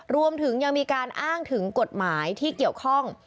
รวมถึงยังมีการอ้างถึงกฎหมายที่เกี่ยวข้อง